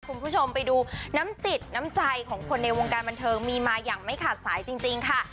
คุณผู้ชมไปดูน้ำจิตน้ำใจของคนในวงการบันเทิงมีมาอย่างไม่ขาดสายจริงค่ะ